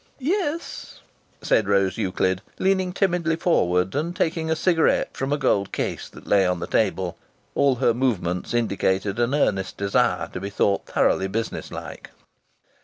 "Yes," said Rose Euclid, leaning timidly forward and taking a cigarette from a gold case that lay on the table. All her movements indicated an earnest desire to be thoroughly business like.